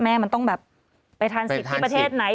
แม่มันต้องแบบไปทานสิทธิ์ที่ประเทศไหน